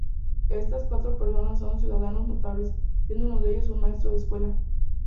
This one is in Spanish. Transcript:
Estas cuatro personas son "ciudadanos notables", siendo uno de ellos un maestro de escuela.